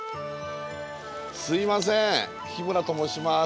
すいません日村と申します。